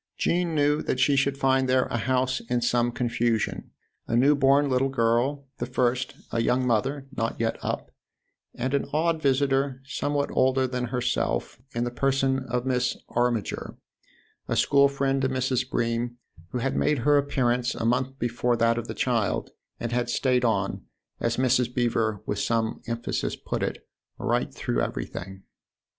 Jean knew that she should find there a house in some confusion, a new born little girl, the first, a young mother not 6 THE OTHER HOUSE yet " up," and an odd visitor, somewhat older than herself, in the person of Miss Armiger, a school friend of Mrs. Bream, who had made her appearance a month before that of the child and had stayed on, as Mrs. Beever with some emphasis put it, " right through everything."